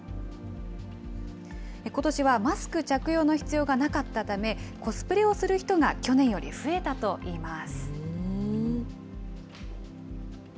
ことしはマスク着用の必要がなかったため、コスプレをする人が去年より増えたといいます。